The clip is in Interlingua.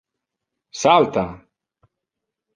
Salta!